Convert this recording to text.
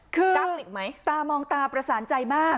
คือตามองตาประสานใจมาก